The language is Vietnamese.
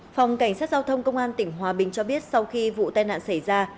phòng cảnh sát giao thông công an tỉnh hòa bình cho biết sau khi vụ tai nạn xảy ra